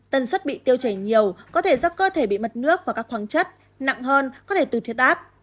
tân xuất bị tiêu chảy nhiều có thể dắt cơ thể bị mất nước và các khoáng chất nặng hơn có thể tự thiết áp